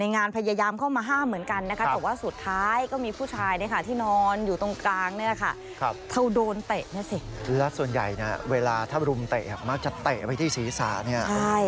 นอนอยู่ตรงกลางเค้าโดนเตะนี่สิ